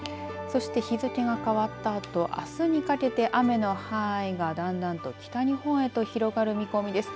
そして日付が変わったあとあすにかけて雨の範囲がだんだんと北日本へと広がる見込みです。